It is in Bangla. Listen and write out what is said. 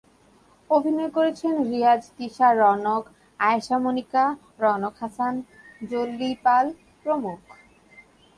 অভিনয় করেছেন রিয়াজ, তিশা, রওনক, আয়শা মনিকা, রওনক হাসান, জলি পাল প্রমুখ।